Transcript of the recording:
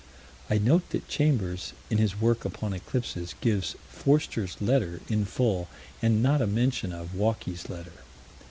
I note that Chambers, in his work upon eclipses, gives Forster's letter in full and not a mention of Walkey's letter.